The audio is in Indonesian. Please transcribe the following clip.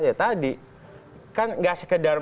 ya tadi kan nggak sekedar